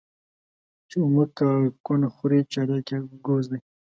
چي اومه کاکونه خوري چارياک يې گوز دى.